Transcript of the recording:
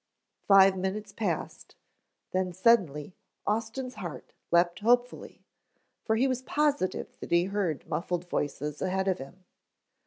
Five minutes passed, then suddenly Austin's heart leaped hopefully, for he was positive that he heard muffled voices ahead of him.